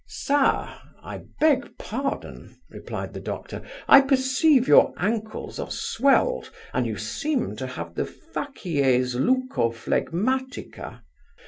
'Sir, I beg pardon (replied the Doctor) I perceive your ancles are swelled, and you seem to have the facies leucophlegmatica.